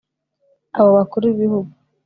abo bakuru b'ibihugu